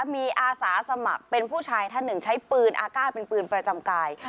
มีอาสาสมัครเป็นผู้ชายท่านหนึ่งใช้ปืนอากาศเป็นปืนประจำกาย